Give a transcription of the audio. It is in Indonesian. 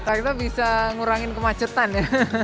kita bisa ngurangin kemacetan ya